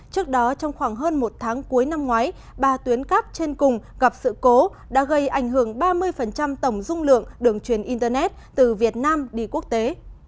trước đó trong khoảng hơn một tháng cuối năm ngoái ba tuyến cắp trên cùng gặp sự cố đã gây ảnh hưởng ba mươi tổng dung lượng đường truyền internet từ việt nam đi quốc tế